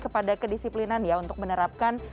kepada kedisiplinan ya untuk menerapkan